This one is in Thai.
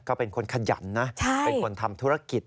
ก็เป็นคนขยันนะเป็นคนทำธุรกิจ